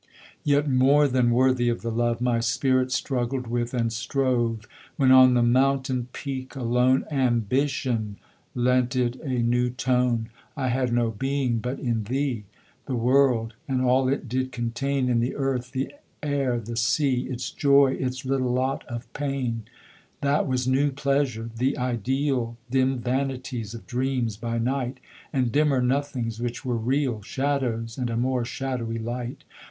Yet more than worthy of the love My spirit struggled with, and strove, When, on the mountain peak, alone, Ambition lent it a new tone I had no being but in thee: The world, and all it did contain In the earth the air the sea Its joy its little lot of pain That was new pleasure the ideal, Dim vanities of dreams by night And dimmer nothings which were real (Shadows and a more shadowy light!)